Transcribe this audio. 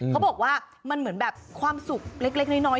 เขาบอกว่ามันเหมือนแบบความสุขเล็กน้อย